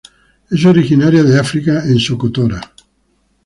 Es originaria de África en Socotora.